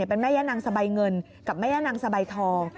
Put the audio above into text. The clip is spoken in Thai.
เป็นแม่ย่านางสบายเงินกับแม่ย่านางสบายทอง